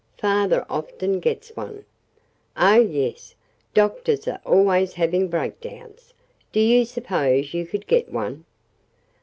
Father often gets one." "Oh, yes. Doctors are always having breakdowns. Do you suppose you could get one?"